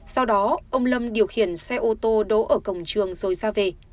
sau đó ông lâm điều khiển xe ô tô đỗ ở cổng trường rồi ra về